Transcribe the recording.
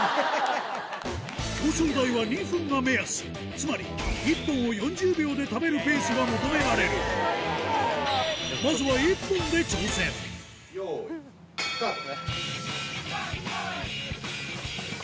つまり１本を４０秒で食べるペースが求められる用意スタート！